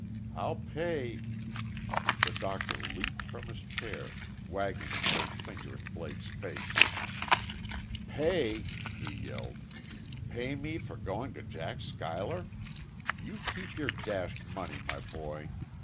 I'll pay " The doctor leaped from his chair, waggling an old finger in Blake's face. "Pay!" he yelled. "Pay me for going to Jack Schuyler! You keep your dashed money, my boy.